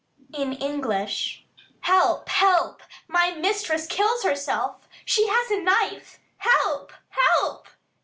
In English: "Help! Help! My mistress kills herself. She has a knife. Help! Help!"